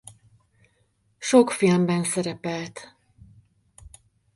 Sok filmben szerepelt.